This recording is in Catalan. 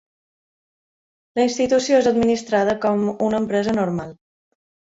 La institució és administrada com una empresa normal.